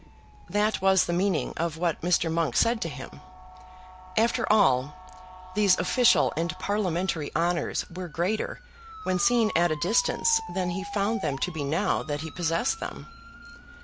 That was the meaning of what Mr. Monk said to him. After all, these official and parliamentary honours were greater when seen at a distance than he found them to be now that he possessed them.